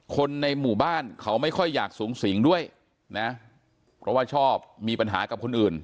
คนในหมู่บ้านเขาไม่ค่อยอยากสูงสิงด้วยนะเพราะว่าชอบมีปัญหากับคนอื่น